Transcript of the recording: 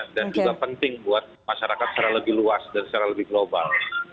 dan juga penting buat masyarakat secara lebih luas dan secara lebih global